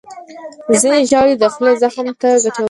ځینې ژاولې د خولې زخم ته ګټورې دي.